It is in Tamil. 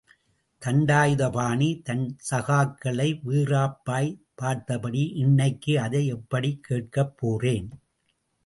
தண்டாயுதபாணி, தன் சகாக்களை வீறாப்பாய்ப் பார்த்தபடி, இன்னைக்கு அதை எப்படிக் கேட்கப்போறேன்.